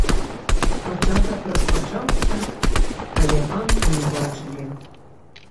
Пачатак распачаўся, але пан не бачылі.